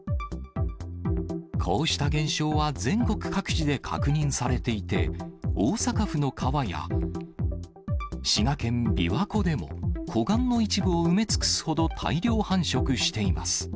こうした現象は全国各地で確認されていて、大阪府の川や、滋賀県琵琶湖でも、湖岸の一部を埋め尽くすほど大量繁殖しています。